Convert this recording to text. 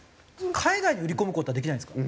海外に売り込む事はできないんですか？